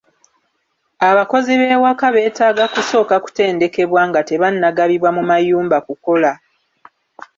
Abakozi b'ewaka betaaga kusooka kutendekebwa nga tebannagabibwa mu mayumba kukola.